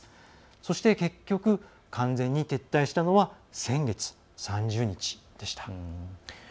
そして結局、完全に撤退したのは先月３０日でした。